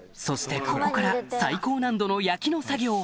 そしてここから最高難度の焼きの作業